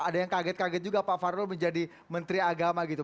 ada yang kaget kaget juga pak farul menjadi menteri agama gitu